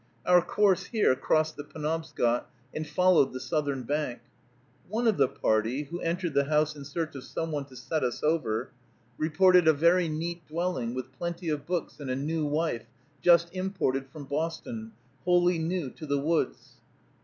Our course here crossed the Penobscot, and followed the southern bank. One of the party, who entered the house in search of some one to set us over, reported a very neat dwelling, with plenty of books, and a new wife, just imported from Boston, wholly new to the woods.